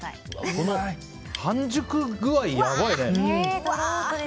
半熟具合、やばいね。